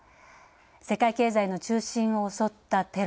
世界経済の中心を襲ったテロ。